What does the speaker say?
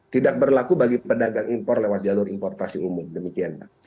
tidak berlaku bagi pedagang impor lewat jalur importasi umum demikian